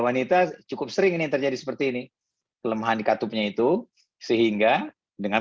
wanita cukup sering ini terjadi seperti ini kelemahan di katupnya itu sehingga dengan